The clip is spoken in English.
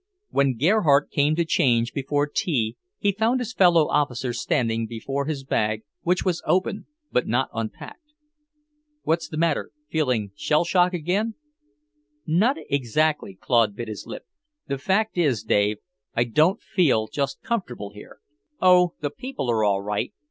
When Gerhardt came to change before tea, he found his fellow officer standing before his bag, which was open, but not unpacked. "What's the matter? Feeling shellshock again?" "Not exactly." Claude bit his lip. "The fact is, Dave, I don't feel just comfortable here. Oh, the people are all right.